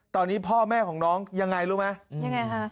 ตอนนี้พ่อแม่ของน้องยังไงรู้ไหม